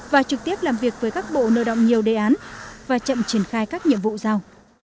và trực tiếp làm việc với các bộ nợ động nhiều đề án và chậm triển khai các nhiệm vụ giao